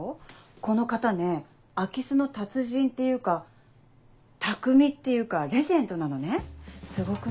この方ね空き巣の達人っていうか匠っていうかレジェンドなのねすごくない？